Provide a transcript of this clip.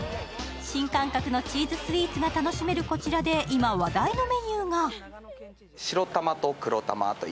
新感覚のチーズスイーツが楽しめる、こちらで今話題のメニューが。